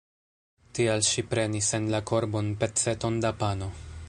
Tial ŝi prenis en la korbon peceton da pano.